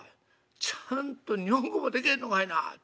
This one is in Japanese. ちゃんと日本語もでけへんのかいな！